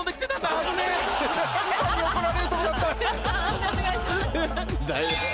判定お願いします。